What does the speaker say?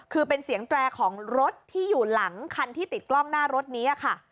คือเป็นเสียงแตรของรถที่อยู่หลังคันที่ติดกล้องหน้ารถนี้ค่ะ